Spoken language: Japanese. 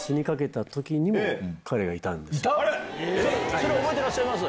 それ覚えてらっしゃいます？